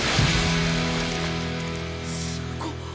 すごっ。